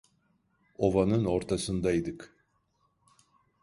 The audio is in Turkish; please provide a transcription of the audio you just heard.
Ovanın ortasındaydık.